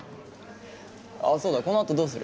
あっそうだこの後どうする？